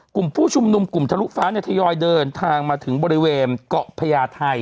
กลุ่มผู้ชุมนุมกลุ่มทะลุฟ้าเนี่ยทยอยเดินทางมาถึงบริเวณเกาะพญาไทย